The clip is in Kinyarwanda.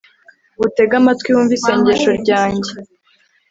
utege amatwi, wumve isengesho ryanjye